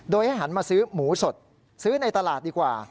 โดยให้หันมาซื้อหมูสดซื้อในตลาดดีกว่า